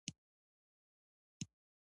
ما ولیدل چې هغې خپل ماشوم ته درس وایه